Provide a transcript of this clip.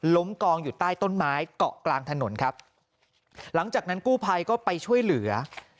กองอยู่ใต้ต้นไม้เกาะกลางถนนครับหลังจากนั้นกู้ภัยก็ไปช่วยเหลือ